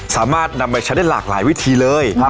สามารถนำไปใช้ได้หลากหลายวิธีเลย